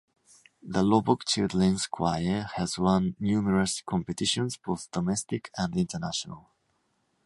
The Loboc Children's Choir has won numerous competitions both domestic and international.